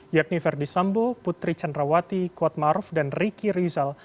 yakni verdi sambo putri candrawati kuatmaruf dan riki rizal